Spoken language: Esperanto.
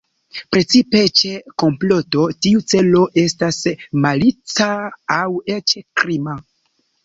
Precipe ĉe komploto tiu celo estas malica aŭ eĉ krima.